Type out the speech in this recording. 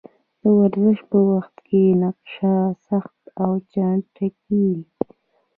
د ورزش په وخت کې تنفس سخت او چټکېږي.